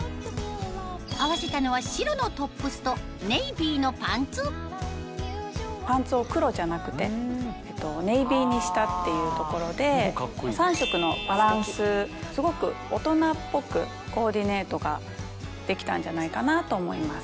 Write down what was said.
合わせたのは白のトップスとネイビーのパンツパンツを黒じゃなくてネイビーにしたっていうところで３色のバランスすごく大人っぽくコーディネートができたんじゃないかなと思います。